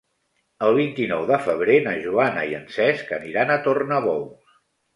El vint-i-nou de febrer na Joana i en Cesc aniran a Tornabous.